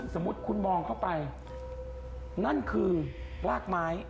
สมมุติคุณมองเข้าไปนั่นคือรากไม้